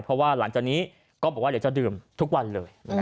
เพราะว่าหลังจากนี้ก็บอกว่าเดี๋ยวจะดื่มทุกวันเลย